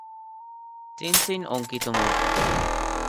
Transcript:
টিনটিন-অঙ্কিত মুদ্রা